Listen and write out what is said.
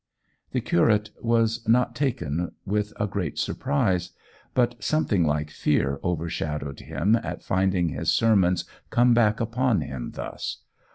The curate was not taken with a great surprise. But something like fear overshadowed him at finding his sermons come back upon him thus.